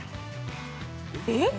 えっ！？